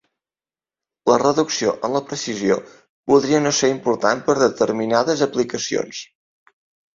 La reducció en la "precisió" podria no ser important per a determinades aplicacions.